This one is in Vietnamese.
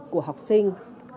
của học sinh